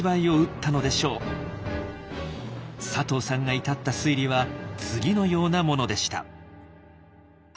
佐藤さんが至った推理は次のようなものでした。